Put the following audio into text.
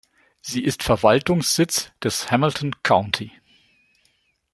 Sie ist Verwaltungssitz des Hamilton County.